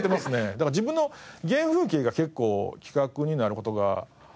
だから自分の原風景が結構企画になる事が多いですね。